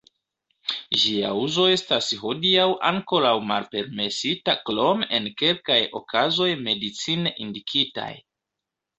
Ĝia uzo estas hodiaŭ ankoraŭ malpermesita krom en kelkaj okazoj medicine indikitaj.